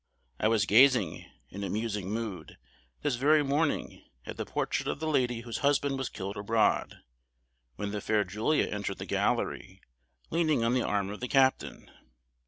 I was gazing, in a musing mood, this very morning, at the portrait of the lady whose husband was killed abroad, when the fair Julia entered the gallery, leaning on the arm of the captain.